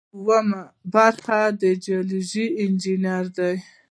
اوومه برخه جیوډیزي انجنیری ده.